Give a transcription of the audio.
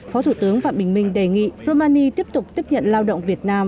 phó thủ tướng phạm bình minh đề nghị romani tiếp tục tiếp nhận lao động việt nam